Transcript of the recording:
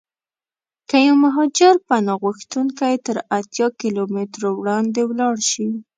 که یو مهاجر پناه غوښتونکی تر اتیا کیلومترو وړاندې ولاړشي.